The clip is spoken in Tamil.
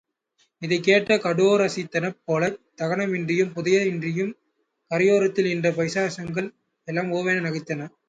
இதைக் கேட்ட கடோரசித்தனப் போலச் தகன மின்றியும் புதைய இன்றியும் கரையோரத்தில் நின்ற பைசாசங்கள் எல்லாம் ஒவென நகைத்தன.